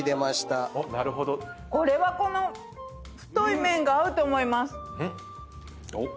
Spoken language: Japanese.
これはこの太い麺が合うと思います。